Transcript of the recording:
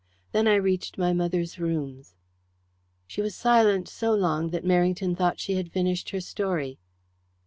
Then I reached my mother's rooms." She was silent so long that Merrington thought she had finished her story.